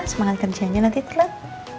semangat kerjanya nanti telat